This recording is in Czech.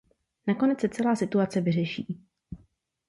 Nakonec se celá situace vyřeší.